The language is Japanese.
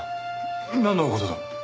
なんの事だ？